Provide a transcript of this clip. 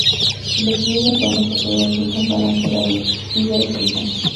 Del equilibrio entre ambos efectos resulta un balance radiativo determinado.